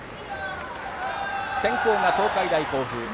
先攻が東海大甲府。